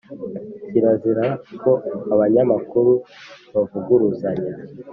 Kirazira ko abanyamakuru bavuguruzanya